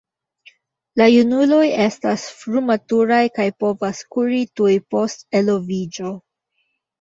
La junuloj estas frumaturaj kaj povas kuri tuj post eloviĝo.